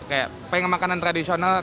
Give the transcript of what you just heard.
kayak pengen makanan tradisional